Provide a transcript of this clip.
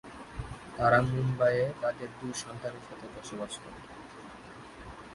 তারা মুম্বাইয়ে তাদের দুই সন্তানের সাথে বসবাস করে।